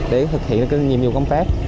để thực hiện nhiệm vụ công tác